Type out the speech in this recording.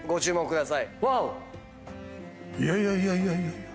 いやいやいやいや。